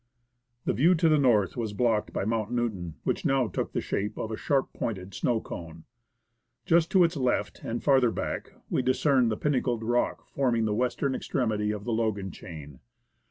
The view to the north was blocked by Mount Newton, which MOUNT NEWTON, FROM RUSSELL COL. now took the shape of a sharp pointed snow cone. Just to its left, and farther back, we discerned the pinnacled rock forming the western extremity of the Logan chain.